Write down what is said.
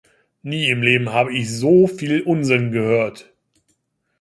Nie im Leben habe ich so viel Unsinn gehört.